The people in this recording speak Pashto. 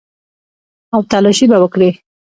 او تلاشي به وکړي.